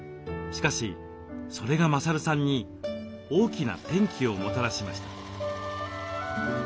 しかしそれが勝さんに大きな転機をもたらしました。